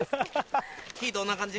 火どんな感じ？